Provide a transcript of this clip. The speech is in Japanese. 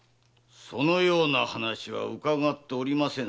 そのような話は伺っておりませぬが？